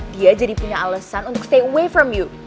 dia jadi punya alesan untuk stay away from you